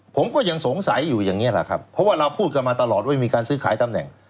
ผมก็ยังสงสัยอยู่อย่างนี้แหละครับเพราะว่าเราพูดกันมาตลอดว่ามีการซื้อขายตำแหน่ง